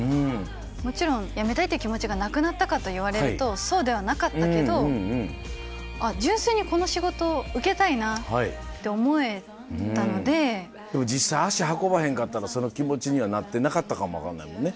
もちろん辞めたいって気持ちがなくなったかと言われると、そうではなかったけど、あっ、純粋にこの仕事、受けたいなって思えたの実際、足運ばへんかったら、その気持ちにはなってなかったかも分かんないもんね。